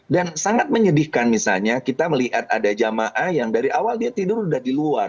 dan sangat menyedihkan misalnya kita melihat ada jama'ah yang dari awal dia tidur di luar